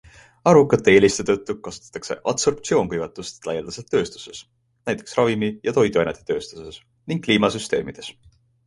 Arvukate eeliste tõttu kasutatakse adsorptsioonkuivatust laialdaselt tööstuses, näiteks ravimi- ja toiduainetetööstuses ning kliimasüsteemides.